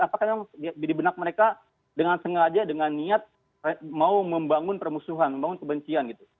apakah memang di benak mereka dengan sengaja dengan niat mau membangun permusuhan membangun kebencian gitu